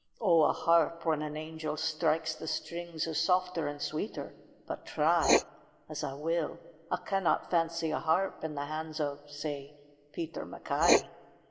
O a harp when an angel strikes the strings Is softer and sweeter, but try As I will, I cannot fancy a harp In the hands of, say, Peter MacKay.